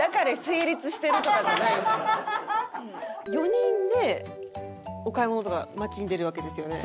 ４人でお買い物とか街に出るわけですよね？